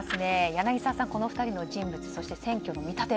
柳澤さん、このお二人の人物とそして選挙の見立て